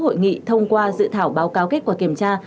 hội nghị thông qua dự thảo báo cáo kết quả kiểm tra